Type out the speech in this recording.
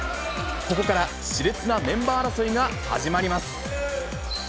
ここからしれつなメンバー争いが始まります。